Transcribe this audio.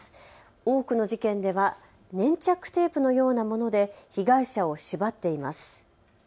多くの事件では粘着テープのようなもので被害者を縛っています。